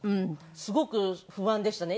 すごく不安でしたね。